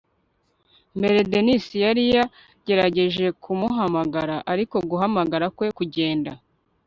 mbere, dennis yari yagerageje kumuhamagara ariko guhamagara kwe kugenda